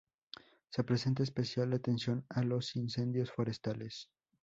Se presta especial atención a los incendios forestales.